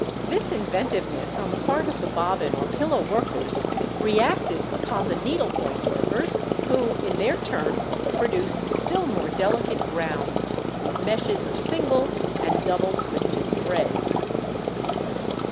This inventiveness on the part of the bobbin or pillow workers reacted upon the needlepoint workers, who in their turn produced still more delicate grounds with meshes of single and double twisted threads.